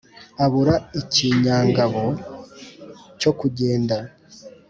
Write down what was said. Abura ikinyangabo cyo kugenda